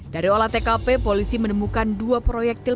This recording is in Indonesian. dari olah tkp polisi menemukan dua proyektil